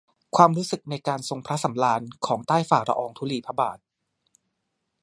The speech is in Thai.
ความรู้สึกในการทรงพระสำราญของใต้ฝ่าละอองธุลีพระบาท